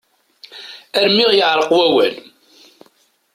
Armi ɣ-yeεreq wawal.